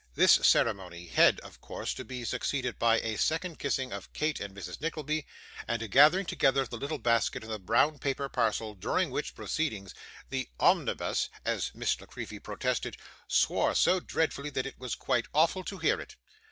This ceremony had, of course, to be succeeded by a second kissing of Kate and Mrs. Nickleby, and a gathering together of the little basket and the brown paper parcel, during which proceedings, 'the omnibus,' as Miss La Creevy protested, 'swore so dreadfully, that it was quite awful to hear it.